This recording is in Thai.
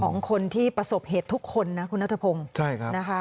ร้องรู้เมื่อตี๕